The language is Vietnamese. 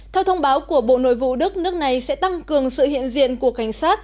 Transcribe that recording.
theo thông báo của bộ nội vụ đức nước này sẽ tăng cường sự hiện diện của cảnh sát